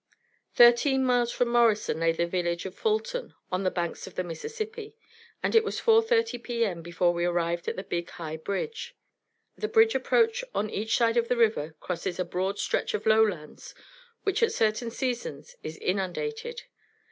Thirteen miles from Morrison lay the village of Fulton, on the banks of the Mississippi, and it was 4:30 P. M. before we arrived at the big high bridge. The bridge approach on each side of the river crosses a broad stretch of lowlands which at certain seasons is inundated.